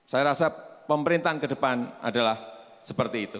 saya rasa pemerintahan ke depan adalah seperti itu